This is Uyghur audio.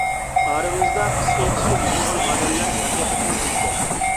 ئارىمىزدا پىسخىكىسى بۇزۇلغان ئادەملەر ھەقىقەتەن كۆپكەن.